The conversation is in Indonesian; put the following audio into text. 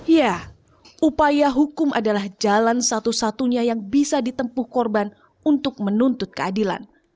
ya upaya hukum adalah jalan satu satunya yang bisa ditempuh korban untuk menuntut keadilan